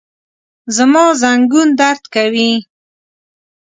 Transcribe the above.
زما زنګون درد کوي